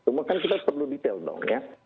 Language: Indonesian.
cuma kan kita perlu detail dong ya